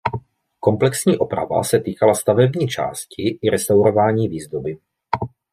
Komplexní oprava se týkala stavební části i restaurování výzdoby.